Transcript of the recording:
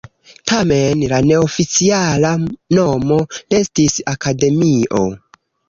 Tamen la neoficiala nomo restis akademio.